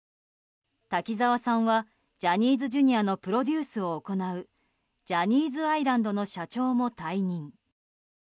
滝沢さんは、ジャニーズＪｒ．のプロデュースを行うジャニーズアイランドの社長も退任。